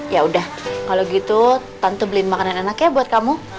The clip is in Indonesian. yaudah kalo gitu tante beliin makanan enaknya buat kamu